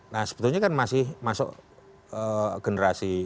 nah sebetulnya kan masih masuk generasi